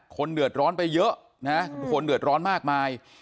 คนเดือดร้อนไปเยอะนะคนเดือดร้อนมากมาย